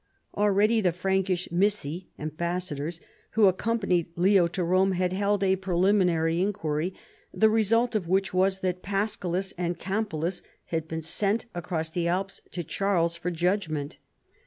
Already the Prankish missi [ambassadors] who ac companied Leo to Rome had held a preliminary inquiry, the result of which was that Paschalis and Carapulus had been sent across the Alps to Charles for judgment.